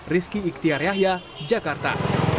rizky iktiar yahya jakarta